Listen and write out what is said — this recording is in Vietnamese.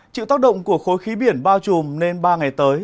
chịu tác động của khối khí biển bao trùm nên ba ngày tới